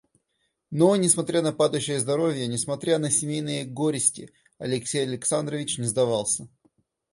Но, несмотря на падающее здоровье, несмотря на семейные горести, Алексей Александрович не сдавался.